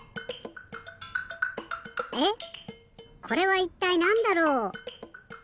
えっこれはいったいなんだろう？